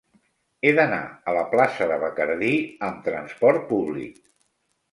He d'anar a la plaça de Bacardí amb trasport públic.